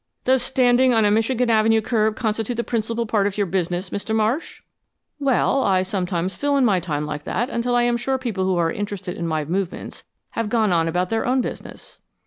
"Does standing on a Michigan Avenue curb constitute the principal part of your business, Mr. Marsh?" "Well, I sometimes fill in my time like that until I am sure the people who are interested in my movements have gone on about their own business."